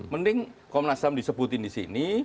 mending komnas ham disebutin di sini